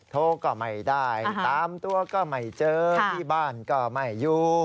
โทรก็ไม่ได้ตามตัวก็ไม่เจอที่บ้านก็ไม่อยู่